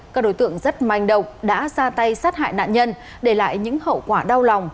các đối tượng rất manh động đã ra tay sát hại nạn nhân để lại những hậu quả đau lòng